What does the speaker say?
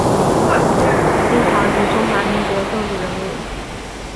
清朝及中华民国政治人物。